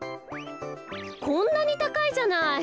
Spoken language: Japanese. こんなにたかいじゃない。